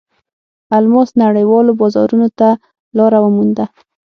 الماس نړیوالو بازارونو ته لار ومونده.